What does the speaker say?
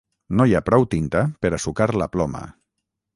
No hi ha prou tinta per a sucar la ploma.